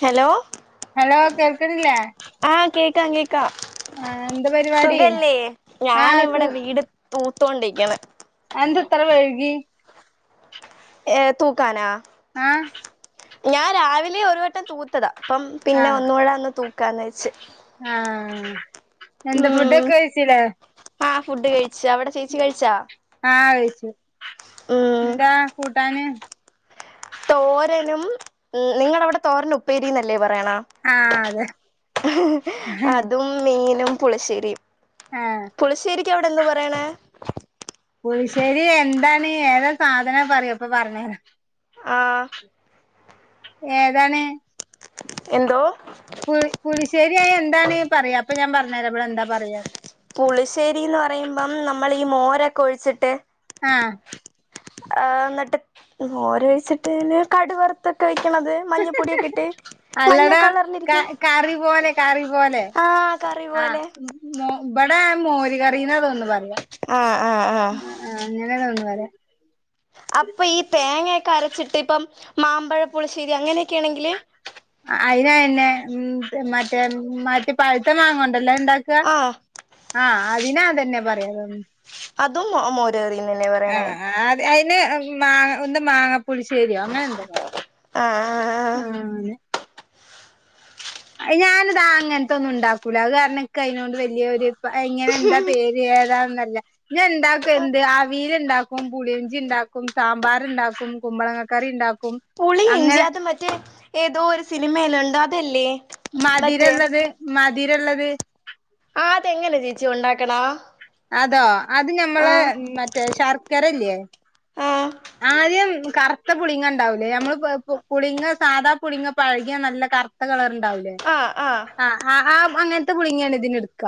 Hello hello കേൾക്കണില്ലേ ആഹ് കേക്കാം കേക്കാം. ആ എന്താ പരിപാടി സുഖയല്ലേ ആ സു ഞാനിവിടെ വീട് തൂത്തോണ്ടിക്കേണ്. അതെന്തേ ഇത്ര വൈകി. ഏഹ് തൂക്കാനാ. ആഹ് ഞാൻ രാവിലെ ഒരു വട്ടം തൂത്തതാ ഇപ്പം പിന്നെ ഒന്നൂടൊന്ന് തൂക്കാന്ന് വെച്ച്. ആഹ് എന്ത് ഫുഡൊക്കെ ഉം കഴിച്ചില്ലേ? ആഹ് ഫുഡ് കഴിച്ച്, അവിടെ ചേച്ചി കഴിച്ചോ? ആഹ് കഴിച്ചു എന്താ കൂട്ടാന്? തോരനും നിങ്ങടെ അവിടെ തോരന്. ഉപ്പേരിന്ന് അല്ലേ പറയണേ ആ അതെ അതും. മീനും പുളിശ്ശേരിയും, ആ പുളിശ്ശേരിക്ക് അവിടെ എന്താ പറയണേ. പുൽശ്ശേരി എന്താണ് ഏതാ സാധന പറയ് അപ്പൊ പറഞ്ഞേരാ ആഹ് ഏതാണ് എന്തോ പുളി പുളിശ്ശേരിയായെന്താണ് പറയ് അപ്പൊ ഞാൻ പറഞ്ഞേരാ വ്ടെന്താ പറയാന്ന് പുളിശ്ശേരീന്ന്റയുമ്പം നമ്മൾ ഈ മോരൊക്കെ ഒഴിച്ചിട്ട് ആഹ് ആ ന്നിട്ട് മോര് ഒഴിച്ചിട്ട് പിന്നെ കടുവറുത്ത്ട്ടൊയ്‌ക്ണത് മഞ്ഞപ്പൊടിയൊക്കെട്ട് മഞ്ഞ അല്ലടാ ക കളറിലിരിക്കും കറി പോലെ കറി ആഹ് കറി പോലെ മൊ വ്ടെ മോര് കറീന്നാ തോന്നുണു പറയാ ആ ഹ് ആ ഹ്ആ ആ അങ്ങനെ തോന്നണു പറയ അപ്പൊ ഈ തേങ്ങേക്കെ അരച്ചിട്ട് ഇപ്പം മാമ്പഴ പുളിശ്ശേരി അങ്ങനെയൊക്കേണെങ്കില് അയിന് അയെന്നെ മ് മറ്റേ മറ്റേ പഴുത്ത മാങ്ങോണ്ടല്ലത്ണ്ടാക്ക ആഹ് ആഹ് അതിനതന്നെ പറയാ തോന്ന് തും മോ മോരറിന്ന്ന്നെ പറയണേ ആഹ് അത് അയിന് മാങ്ങ ഒന്ന് മാങ്ങ പുളിശ്ശേരിയോ അങ്ങനെ എന്തോ പറയ് ആഹ് ന് അയ് ഞാനതാ അങ്ങൻത്തൊന്നുണ്ടാകൂല അത് കാരണം ക്കയ്നോട് അതിനൊട് വല്യൊരു പ ങ്ങനെന്താ പേര് ഏതാന്നല്ല ഞ്ഞ്ണ്ടാക്കും ആഹ് എന്ത് അവീൽ ണ്ടാക്കും ക്കും പുളിയഞ്ചിണ്ടാക്കും സാമ്പാറ്ണ്ടാക്കും കുമ്പളങ്ങക്കറിണ്ടാക്കും പുളി ഇഞ്ചി അത് മറ്റേ ഏതോ ഒരു സിനിമേലുണ്ടോ അതല്ലേ മറ്റേ മധിരള്ളത് മധിരള്ളത് ആ തെങ്ങനെ ചേച്ചി ഉണ്ടാക്കണാ അതോ അത് ഞമ്മളെ മറ്റേ ശർക്കരല്ലേ ആഹ് ആദ്യം കറുത്ത പുളിങ്ങ ഉണ്ടാവൂലേ നമ്മള് പുളിങ്ങ സാദാ പുളങ്ങ പഴകിയ നല്ല കറു കറുത്ത കളർ ഉണ്ടാവില്ലേ ആഹ് ആഹ് ആ അങ്ങനത്തെ പുളങ്ങാണ് ഇതിന് എടുക്ക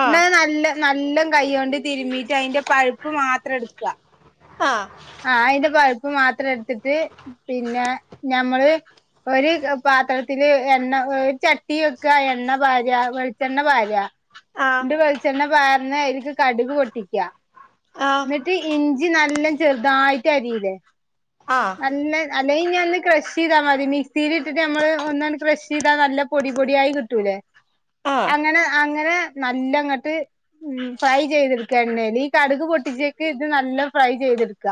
ആഹ് ആ നല്ല നല്ല കൈ കൊണ്ട് തിരുമ്മീട്ട് അതിന്റെ പഴുപ്പ് മാത്രം എടുക്കുക ആഹ് ആ അതിന്റെ പഴുപ്പ് മാത്രം എടുത്തിട്ട് പിന്നെ ഞമ്മള് ഒരു പാത്രത്തില് എണ്ണ ചട്ടി വെക്കുക എണ്ണ പാല വെളിച്ചെണ്ണ പാല ആഹ് ഇണ്ട് വെളിച്ചെണ്ണ പർന്ന അനിക്ക് കടുക് പൊട്ടിക്കാ ആഹ് ട്ട് ഇഞ്ചി നല്ല ചെറുതായിട്ട് അരിയില്ലേ ആഹ് നല്ല അല്ലെങ്കിൽ ഇഞ ഒന്ന് കെ ക്ഷ് ചെയ്താ മതി മിക്സിൽ ഇട്ടിട്ട് നമ്മള് ഒന്നന്ന് ക ക്ഷ് ചെയ്താ നല്ല പൊടി പൊടിയായി കിട്ടും കിട്ടുല്ലേ ആഹ് അങ്ങനെ അങ്ങനെ നല്ലങ്ങോട്ട് ഉ ഫ്രൈ ചെയ്തെടുക്ക എണ്ണേല് ഈ കടുക് പൊട്ടിച്ചേക്ക് ഇത് നല്ല ഫ്രൈ ചെയ്തെടുക്ക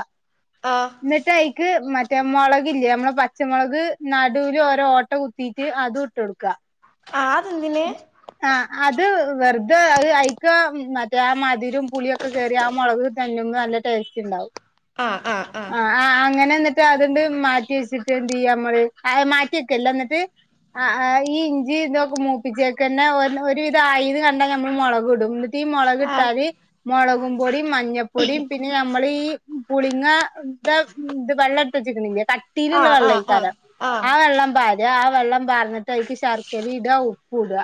ആഹ് എന്നിട്ടയ്ക്ക് മ മറ്റ മുളകില്ലേ നമ്മള് പച്ചമുളക് നടുവിൽ ഓരോ ഓട്ട കുത്തിട്ട് അത് ഇട്ട് കൊടുക്കുക ആ അ ന്തിന് ആ അത് വെറുതെ അത് അയ് ക്ക് മറ്റേ ആ മധുരം പുളിയൊക്കെ കേറി ആ മുളക് തന്നെന്ന് നല്ല ടേസ്റ്റ് ഉണ്ടാവും ആഹ് ആഹ് ആഹ് ആ ആ അങ്ങനെ എന്നിട്ട് അതണ്ട് മാറ്റി വെച്ചിട്ട് എന്ത് ചെയ്യമ്മള് മാറ്റി വക്കല്ല എന്നിട്ട് ആ ഈ ഇഞ്ചിഇതൊക്കെ മൂപ്പിച്ചേക്കന്നെ ഒരുവിധം ആയിന്ന് കണ്ടാ ഞമ്മൾ മുളക് ഇടും തീ ആഹ് മുളക്ഇട്ടാല് മുളകും പൊടിയും മഞ്ഞൾപ്പൊടിയും പിന്നെ ഞമ്മൾ ഈ പുളിങ്ങ ഇ ഇത് വെള്ളം എടുത്ത് വെച്ചിക്കുന്നി ക തീരുള്ള ആഹ് വെള്ളം ആഹ് ഈ ആഹ് കാലം ആഹ് ആ വെള്ളം പ ആ വെള്ളംപാർന്ന്ട്ടയ്ക്ക് ശർക്കര ഇട ഉപ്പ് ഇട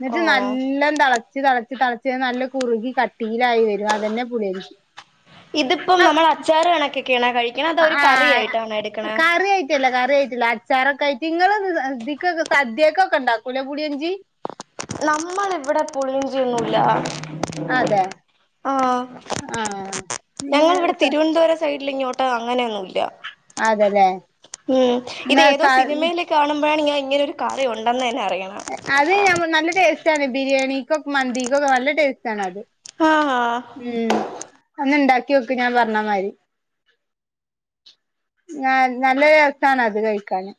ന്നട്ട് ഓഹ് നല്ലം തിള ച്ച് തളച്ച് തളച്ച് നല്ല കുറുകി കട്ടിയിലായി വരും അതന്നെ പുളിഞ്ചി ഇതിപ്പോം നമ്മൾ അച്ചാറ്ണക്കൊക്കെയണ കഴിക്കണ അതൊ ഒരു കറി ആയിട്ടാണോ എടുക്കണെ ല്ല കറി ആയിട്ടില്ല അച്ചാറൊക്കെ ആയിട്ട് ങ്ങളൊന്ന് തിക്കൊക്കെ സദ്യൊക്കെ ഒക്കെ ഉണ്ടാക്കൂല പുളിഞ്ചി നമ്മൾ ഇവിടെ പുളിഞ്ചൊന്നുല്ല അതെ ആഹ് ആഹ് ഞങ്ങള്വിടെ തിരുവനന്തപുരം സൈഡിലിങ്ങോട്ട് അങ്ങനെയൊന്നുല്ല അതെല്ലേ ഉം ഇത് എന്നാ സ ഏതോ സിനിമയിലേ കാണുമ്പഴാണ് ഞാൻ ഇങ്ങനെൊ ഒരു കറി ഉണ്ടെന്ന്ന്നെ അറിയണെ അത് ഞ നല്ല ടേസ്റ്റ് ആണ് ബിരിയാണിക്കൊ മന്തിക്കൊക്കെ നല്ല ടേസ്റ്റ്ണ് അത് ആഹ് അഹ് ഉം അന്ന് ഇണ്ടാക്കി നോക് ഞാൻ പറഞ്ഞാമാരി നാ നല്ല രസാണ് അത് കഴിക്കാന്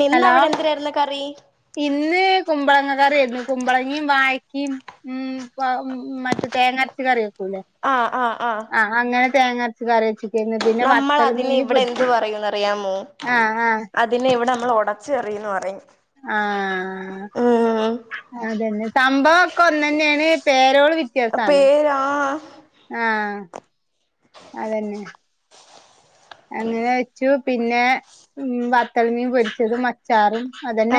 നിന്ന ഹലോ അവിടെ എന്തിരായിരുന്നു കറി ഇന്ന് കുമ്പളങ്ങക്കറിയായിരുന്നു കുമ്പളങ്ങയും വായക്കയും ഉം വ മറ്റെ തേങ്ങര്ച്ച കറി വെക്കുല്ലേ ആഹ് ആഹ് ആഹ് അങ്ങനെ തേങ്ങര്ച് കറിച് നമ്മൾ അതിന് ഇവിടെ എന്ത് പറയന്ന്റിയാമോ ആഹ് ആഹ് അ തിന് ഇവിടെ നമ്മൾ ഉടച് കറിയന്ന് പറയും ആഹ് ഉം അതന്നെ സംഭവം ഒക്കെ ഒന്നന്നെണ് പേരോള് വ്യത്യാസ പേ ആഹ് ആഹ് ആഹ് അതന്നെ അങ്ങനെ വെച്ചു പിന്നെ ഉം വത്തൽമീൻ പൊരിച്ചത് മ ചാറും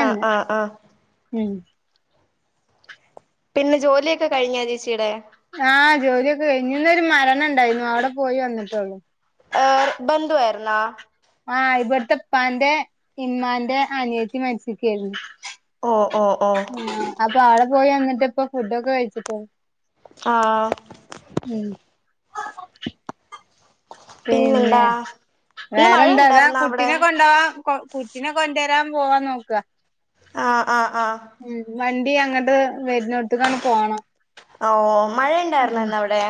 ആഹ് ആഹ് ആഹ് ഉം പിന്നെ ജോലിയൊക്കെ കഴിഞ്ഞാ ചേച്ചിയുടെ ആഹ് ജോലിയക്കെ കഴിഞ് ന്നൊരു മരണണ്ടായിരുന്നു അവിടെ പോയി വന്നിട്ടുള്ളൂ ആര് ബന്ധുവായിരുന്നോ ആഹ് ഇവിടുത്തെപ്പാന്റെ ഇമ്മാന്റെ അനിയത്തി മരിച്ചിക്കേഞ് ഓഹ് ഓഹ് ഓഹ് ആപ്പോ ആടെ പോയി വന്നിട്ടിപ്പോ ഫുഡൊക്കെ കഴിച്ചിട്ടൊള്ളൂ ആഹ് ഉം പിന്നെ പിന്നെന്താ ഇന്ന് വേറെന്താ ഇതാ മഴയുണ്ടായിരുന്നോ അവിടെ കുട്ടിനെ കൊണ്ടാവാം കൊ പിന്നെ കൊണ്ടോരാൻ പോവാൻ നോക്കാ ആഹ് ആഹ് ആഹ് ഉം വണ്ടി അങ്ങട്ട് വരുന്നോടത്ക്കാണ് പോണം അഓഹ് മഴ ഇണ്ടായിരുന്നന്ന് അവിടെ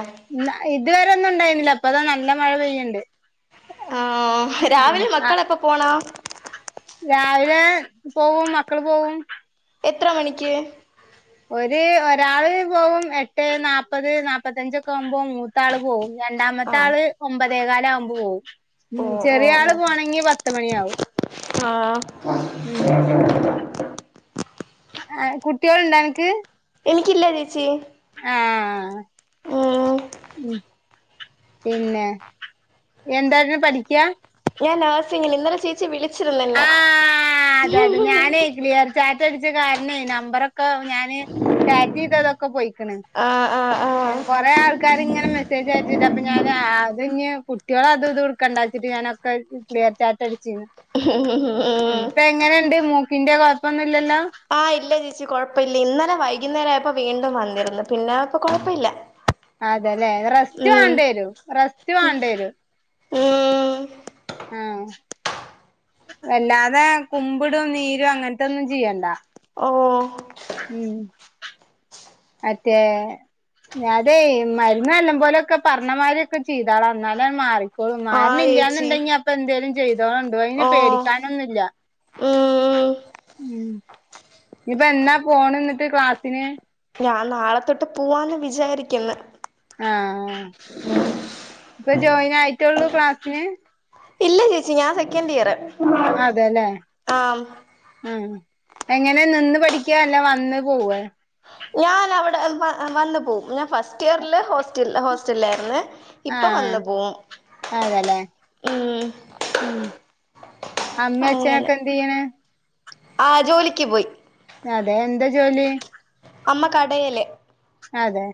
ല്ല ഇതുവരെ ഒന്നും ഉണ്ടായിരുന്നില്ല ഇപ്പതാ നല്ല മഴ പെയ്യിണ്ട് ആഹ് രാവിലെ മക്കളെപ്പ പോണോ രാവിലെ പോവും മക്കള് പോവും എത്ര മണിക്ക് ഒരു ഒരാള് പോവും എട്ട് നാപത് നാപ്പത്തഞ്ചൊക്കെ ആവുമ്പോ മൂത്താള് പോവും രണ്ടാമത്തെ ആഹ് ആള് ഒമ്പതേകാലാവുമ്പോ പോവും ഓഹ് ഓഹ് ചെറിയാള് ഓഹ് പോണെങ്കി പത്തുമണിയാവും ആഹ് ഉം ആഹ് കുട്ട്യേളുണ്ടാ അനക്ക് എനിക്കില്ല ചേച്ചി ആഹ് ഉം ഉം പിന്നെ യെന്താരുന്നു പഠിക്ക ഞാൻ നേഴ്സിങ്ങന് ഇന്നലെ ചേച്ചി വിളിച്ചിരുന്നെന്നെ ആ അതെ അതെ ഞാനേ ക്ലിയർ ചാറ്റ് അടിച്ച കാരണെ നമ്പറൊക്കെ ഞാന് ചാറ്റ് ചെയ്തതൊ ഒക്കെ പോയിക്കണ് ആഹ് ആഹ് ആഹ് കൊറേ ആൾക്കാര് ഇങ്ങനെ മെസ്സേജ് അയച്ചിട്ട് അപ്പൊ ഞാന് അത് ഇഞ്ഞ് കുട്ടികള് അതും ഇതും എടുക്കണ്ട വെച്ചിട്ട് ഞാൻ [unintelligible] ക്ലിയർ ചാറ്റടിച്ചിരുന്നു [inaudible] എങ്ങനെയുണ്ട് മൂക്കിന്റെ കൊഴപ്പൊന്നുമില്ലല്ലോ ആഹ് ഇല്ല ചേച്ചി കുഴപ്പമില്ല ഇന്നലെ വൈകുന്നേരം ആയപ്പോ വീണ്ടും വന്നിരുന്നു പിന്നെപ്പോ കുഴപ്പമില്ല [inaudible] ആഹാ അതെല്ലേ റസ്റ്റ് വേണ്ടവരും റസ്റ്റ് വേണ്ടേരും [inaudible] ആഹ് അല്ലാതെ കുമ്പിടും നീരും അങ്ങനത്തൊന്നും ചെയ്യണ്ട ഓഹ ഉം മറ്റേ അതെ മരുന്ന് എല്ലാപോലൊക്കെ പറഞ്ഞമാതിരിയൊക്കെ ചെയ്താള എന്നാലെ മാറി ആഹ് ചേച്ചി മാറിനില്ലാന്നുണ്ടെങ്കി അപ്പൊ എന്തേലും ചെയ്തോളുണ്ടോ അയിന് ഓഹ് പേടിക്കാൻ അങ്ങനെന്നില്ല ഉം ഇപ്പൊ എന്നാ പോണെന്നിട്ട് ക്ലാസ്സിന് ഞാൻ നാളെ തൊട്ട് പോവാന്ന് വിചാരിക്കുന്നു ആഹ് ഇപ്പോ ജോയിനായിട്ടുള്ളൂ ക്ലാസ്സിന് ഇല്ല ചേച്ചി ഞാൻ സെക്കൻ് ഇയർ അതെല്ലേ ആഹ് ഉം എങ്ങനെ നിന്ന് പഠിക്യ അല്ല വന്ന് പോവ്വെ ഞാനവിടെ വ വന്ന് പോവും ഞാൻ ഫസ്റ്റ് ഇയറിൽ ഹോസ്റ്റൽ ഹോസ്റ്റലിലായിരുന്നു ഇപ്പൊ ആഹ് വന്ന് പോവും അതെല്ലേ ഉം അമ്മ അങ്ങനെ അച്ഛനൊക്കെ എന്ത് ചെയ്യണ് ആഹ് ജോലിക്ക് പോയി അതെ എന്താ ജോലി അമ്മ കടയല് അതെ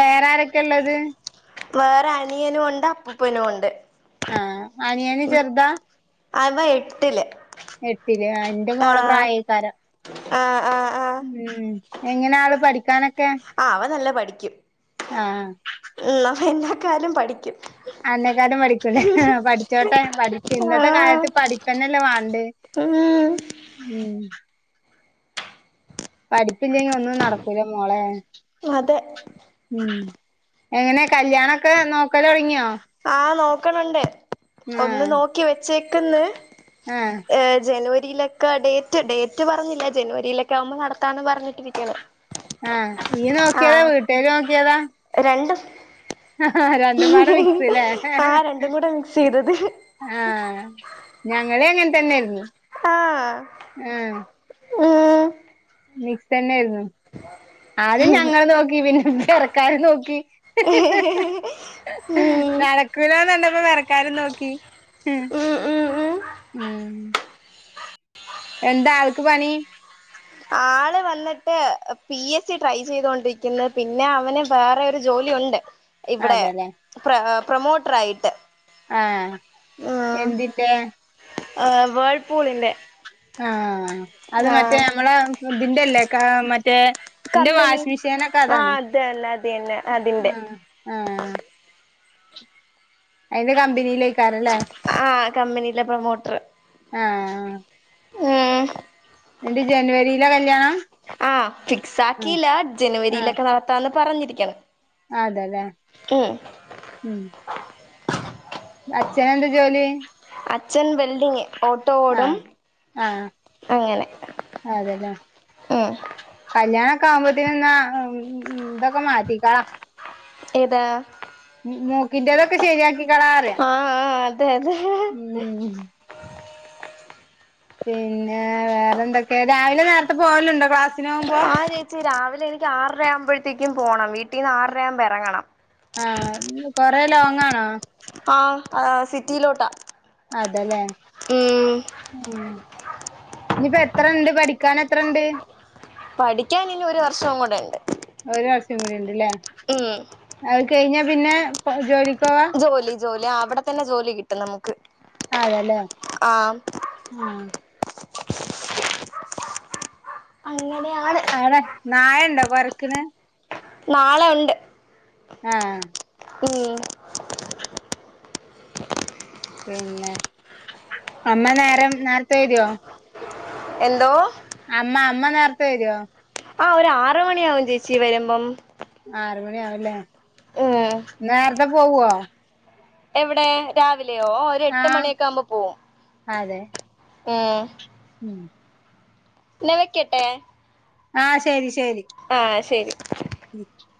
വേറെ ആരൊക്കെ ള്ളത് വേറെ അനിയനുണ്ട് അപ്പൂപ്പനു ഉണ്ട് ആഹ അനിയന് ചെർദാ അവ എട്ടില് എട്ടില് അ ഇന്റെ മോളെ ആഹ് പ്രായയ് കാരം ആഹ് ആഹ് ആഹ് എങ്ങനെ ആള് പഠിക്കാനൊക്കെ ആ അവ നല്ല പഠിക്കും ആഹ് എല്ലാ കാരും പഠിക്കും അന്നേക്കാട്ടും പഠികുലെ പഠിച്ചോട്ടെ പടി ഇന്നത്തെ ആഹ് കാലത്ത് പഠിപ്പന്നല്ലേവാണ്ട് ഉം ഉം പഠിപ്പില്ലെങ്കിൽ ഒന്നും നടക്കൂല മോളെ അതെ ഉം എങ്ങനെ കല്യാണൊക്കെ നോക്കലൊടങ്ങിയോ ആ നോക്ക്ണ്ണ്ട് ഒന്ന് നോക്കി വെച്ചേക്ക്ന്ന് ആഹ ഏ ജനുവരിയിലൊക്കെ ഡേറ്റ് ഡേറ്റ് പറഞ്ഞില്ല ജനുവരിയിലൊക്കെ ആവുമ്പോ നടത്താന്ന് പറഞ്ഞിട്ടിരിക്ണ് ആഹ ഇയ്യ് നോകേതാ വീട്ടേര് നോകേതാ രണ്ട് ആഹ രണ്ടുമ്പാടെ മിക്സലെ ആഹ് രണ്ടും കൂടെ മിക്സ് ചെയ്തത് ആഹ ഞങ്ങളി അങ്ങനെ തന്നെയ്ന്നു ആഹ് [unintelligible] മിക്സന്നെരുന്നു. ആദ്യം ഞങ്ങള് നോക്കി പിന്നെ പെരക്കാര് നോക്കി ഉം ഉം നടക്കൂലാന്നണ്ടപ്പം പെരക്കാരും നോക്കി ഹും ഉം ഉം ഉം എന്താ ആൾക്ക് പണി? ആള് വന്നിട്ട് പി എസ് സി ട്രൈ ചെയ്തൊണ്ടിരിക്കുന്നു പിന്നെ അവന് വേറെ ഒരു ജോലി ഉണ്ട് ഇവിടെ അതെല്ലേ പ്ര പ്രൊമോട്ടറായിട്ട് ആഹ് ആഹ് എന്തിന്റെ ആഹ് വേൾപൂളിന്റെ ആഹ് അത് മറ്റേ ആഹ് നമ്മളെ ഇതിന്റെല്ലേ ക മറ്റേ ഇന്റെ കമ്പനി വാഷി മെഷീനൊക്കെ ആഹ് അതാണ്. അത് തന്നെ അത് തന്നെ അതിന്റെ ആഹ് ആഹ് അയിൻ്റെ കമ്പിനീലെയ്ക്കാരല്ലേ. ആഹ് കമ്പിനിയിലെ പ്രൊമോട്ടർ. ആഹ് ഏഹ് ന്നിട്ട് ജനുവരീലാ കല്ല്യാണം ആഹ് ഫിക്സാകീല. ജനുവരിയിലൊക്കെ നടത്താന്ന് പറഞ്ഞിരിക്കണ്. അതലെ ഉം ഉം അച്ഛന് എന്താ ജോലി? അച്ഛൻ വെൽഡിങ്. ഓട്ടോ ഓടും. ആഹ് ആഹ് അങ്ങനെ ഉം കല്ല്യാണൊക്കെ ആവുമ്പോത്തിന് ന്നാ ഇതൊക്കെ മാറ്റിക്കാളാ ഏത് മൂക്കിന്റെതൊക്കെ ശരിയാക്കിക്കാളാറിയ ആ ആ അതെ അതെ ഊം പിന്നെ വേറെന്തൊക്കെ? രാവിലെ നേരത്തെ പോവലുണ്ടോ ക്ലാസ് ആഹ് ചേച്ചി രാവിലെ എനിക്ക് ആറര ആവുമ്പഴ്ത്തേക്കും പോണം വീട്ടീന്ന് ആറരയാവുമ്പോ എറങ്ങണം. ആഹ്. കൊറേ ലോങ്ങാണോ? ആഹ് അതാ സിറ്റിയിലോട്ടാ. അതെ ലെ. ഉം ആഹ്. ഇഞ്ഞിപ്പോ എത്ര ഇണ്ട് പഠിക്കാൻ എത്രണ്ട്? പഠിക്കാൻ ഇനി ഒരു വർഷവും കൂടെ ഇണ്ട്. ഒരു വർഷം കൂടി ഇണ്ട്ലേ. അത് കെയിഞ്ഞാ പിന്നെ പ ജോലിക്കോവാ? ജോലി ജോലി ആഹ് അവടെ തന്നെ ജോലി കിട്ടും നമു അതെലെ ആഹ്. അങ്ങനെയാണ്. അവടെ നായണ്ടോ കൊരക്ക്ണ്. നാളെ ഉണ്ട്. ആഹ് ഉം പിന്നെ അമ്മ നേരം നേരത്തെ വരോ? എന്തോ? അമ്മ അമ്മ നേരത്തെ വരുവോ? ആഹ് ഒരു ആറ് മണിയാവും ചേച്ചി വരുമ്പം. ആറ് മണിയാവും ലേ ഉം നേരത്തെ പോവോ? എവിടെ? രാവിലെയോ. ഓഹ് ഒരു എട്ട് ആഹ് മണിയൊക്കെ ആവുമ്പോ പോവും. അതെ ഉം ഉം ന്നാ വെക്യട്ടെ. ആഹ് ശരി ശരി ആഹ് ശരി [unintelligible]